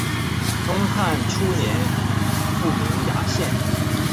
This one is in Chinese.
东汉初年复名衙县。